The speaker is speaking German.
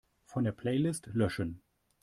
Von der Playlist löschen.